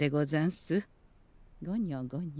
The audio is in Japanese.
ごにょごにょ。